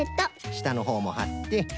したのほうもはって。